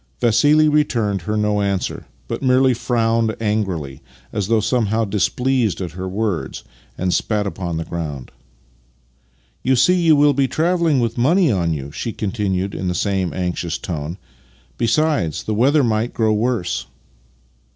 Vassili returned her no answer, but merely frowned angrily as though somehow displeased at her words, and spat upon the ground. " You see, you will be travelling with money on you," she continued in the same anxious tone. " Be sides, the weather might grow worse."